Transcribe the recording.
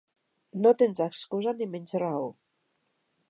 No tens excusa ni menys raó.